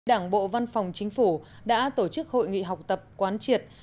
đảng bộ văn phòng chính phủ đã tổ chức hội nghị học tập quán triệt